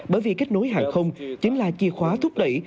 bởi vì kết nối hàng không chính là chìa khóa thúc đẩy